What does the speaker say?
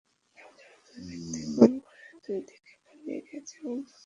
তবে দুই ব্যক্তি খুন করে দুদিকে পালিয়ে গেছে, এমন তথ্য পাওয়া গেছে।